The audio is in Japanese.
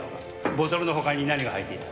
ボトルの他に何が入っていた？